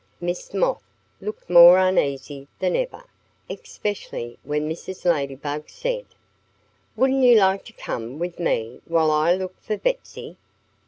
Miss Moth looked more uneasy than ever, especially when Mrs. Ladybug said: "Wouldn't you like to come with me while I look for Betsy?"